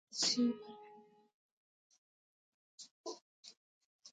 He was nicknamed Cactus Jack.